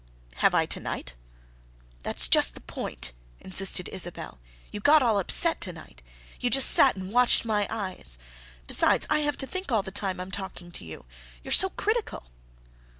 "Have I to night?" "That's just the point," insisted Isabelle. "You got all upset to night. You just sat and watched my eyes. Besides, I have to think all the time I'm talking to you—you're so critical."